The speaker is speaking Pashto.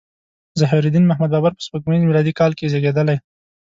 ظهیرالدین محمد بابر په سپوږمیز میلادي کال کې زیږیدلی.